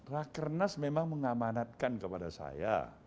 raker nas memang mengamanatkan kepada saya